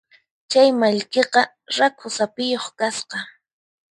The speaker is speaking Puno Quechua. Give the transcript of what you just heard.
Chay mallkiqa rakhu saphiyuq kasqa.